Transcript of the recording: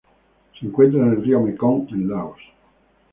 Se encuentra en el río Mekong en Laos.